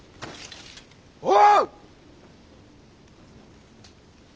おう！